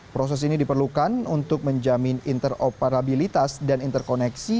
proses ini diperlukan untuk menjamin interoperabilitas dan interkoneksi